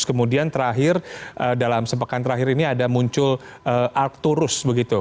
kemudian terakhir dalam sepekan terakhir ini ada muncul artorus begitu